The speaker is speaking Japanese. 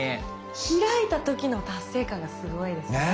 開いた時の達成感がすごいですね。ね。